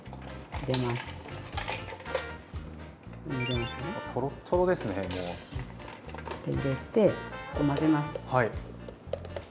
入れて混ぜます。